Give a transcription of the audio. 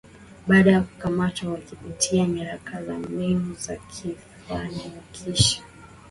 baada ya kukamatwa wakipitia nyaraka na mbinu za kufanikisha